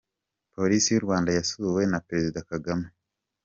Polisi y’u Rwanda yasuwe na Perezida Kagame